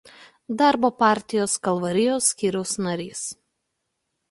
Darbo partijos Kalvarijos skyriaus narys.